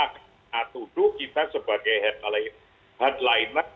kita akan dituduh sebagai headliner